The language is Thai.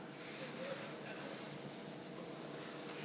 เพราะเรามี๕ชั่วโมงครับท่านนึง